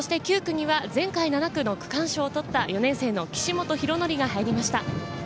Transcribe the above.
そして９区には前回７区の区間賞を取った４年生の岸本大紀が入りました。